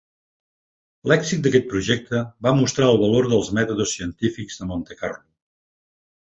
L'èxit d'aquest projecte va mostrar el valor dels mètodes científics de Monte Carlo.